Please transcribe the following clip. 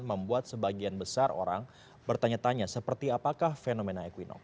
membuat sebagian besar orang bertanya tanya seperti apakah fenomena equinox